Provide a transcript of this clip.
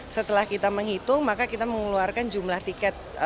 setelah kita menghitung maka kita mengeluarkan jumlah tiket